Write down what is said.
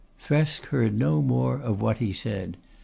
Thresk heard no more of what he said.